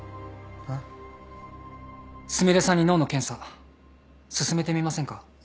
すみれさんに脳の検査勧めてみませんか？